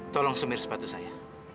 tolong semir sepatu saya